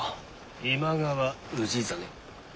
今川氏真。